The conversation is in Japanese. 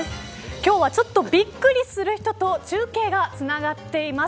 今日はちょっとびっくりする人と中継がつながっています。